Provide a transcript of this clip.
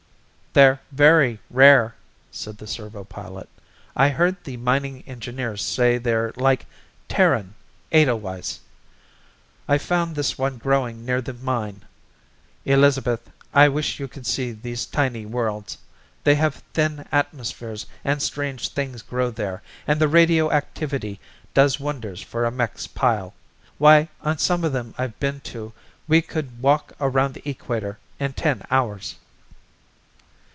"They're very rare," said the servo pilot. "I heard the mining engineer say they're like Terran edelweiss. I found this one growing near the mine. Elizabeth, I wish you could see these tiny worlds. They have thin atmospheres and strange things grow there and the radio activity does wonders for a mech's pile. Why, on some of them I've been to we could walk around the equator in ten hours."